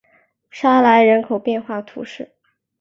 沙莱人口变化图示